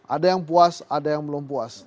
ada yang puas ada yang belum puas